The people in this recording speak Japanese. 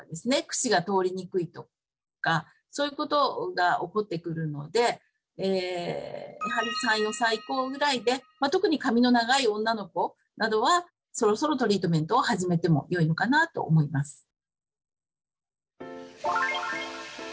くしが通りにくいとかそういうことが起こってくるのでえやはり３４歳以降ぐらいでまあ特に髪の長い女の子などはそろそろトリートメントを始めてもよいのかなと思います。